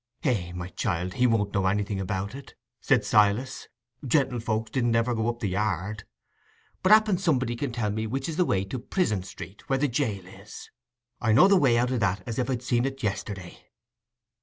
"Eh, my child, he won't know anything about it," said Silas; "gentlefolks didn't ever go up the Yard. But happen somebody can tell me which is the way to Prison Street, where the jail is. I know the way out o' that as if I'd seen it yesterday."